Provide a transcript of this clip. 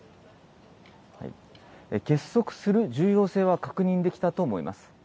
結束する重要性は確認できたと思います。